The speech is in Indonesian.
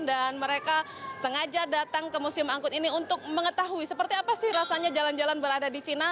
dan mereka sengaja datang ke museum angkut ini untuk mengetahui seperti apa sih rasanya jalan jalan berada di cina